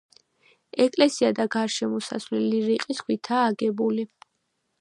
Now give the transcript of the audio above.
ეკლესია და გარშემოსასვლელი რიყის ქვითაა აგებული.